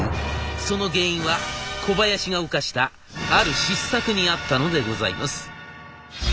その原因は小林が犯したある失策にあったのでございます。